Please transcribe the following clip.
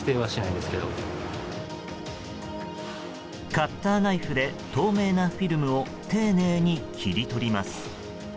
カッターナイフで透明なフィルムを丁寧に切り取ります。